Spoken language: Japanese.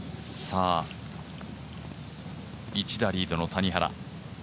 １打リードの谷原。